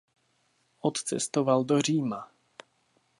Odcestoval do Říma.